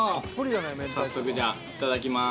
早速、じゃあ、いただきます。